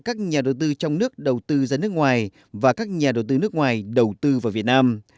các nhà đầu tư trong nước đầu tư ra nước ngoài và các nhà đầu tư nước ngoài đầu tư vào việt nam